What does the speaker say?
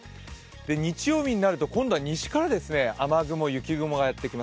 日曜日になると今度は西から雨雲、雪雲がやってきます。